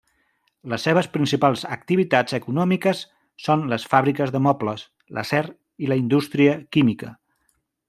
Les seves principals activitats econòmiques són les fàbriques de mobles, l'acer i la indústria química.